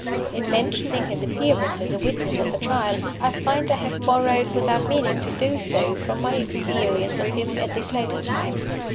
In mentioning his appearance as a witness at the Trial, I find I have borrowed (without meaning to do so) from my experience of him at this later time.